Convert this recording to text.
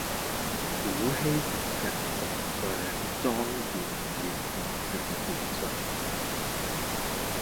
古希臘人崇尚莊嚴與父權秩序